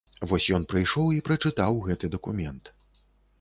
Вось ён прыйшоў і прачытаў гэты дакумент.